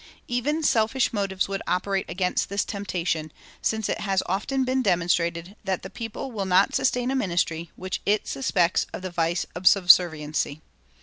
Even selfish motives would operate against this temptation, since it has often been demonstrated that the people will not sustain a ministry which it suspects of the vice of subserviency.